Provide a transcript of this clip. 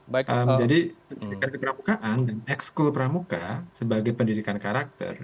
jadi pendidikan keperamukaan dan ekskul peramuka sebagai pendidikan karakter